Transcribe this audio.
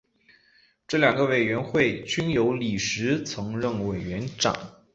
这两个委员会均由李石曾任委员长。